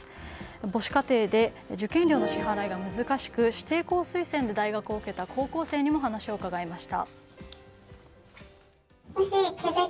母子家庭で受験料の支払いが難しく指定校推薦で大学を受けた高校生にも話を聞きました。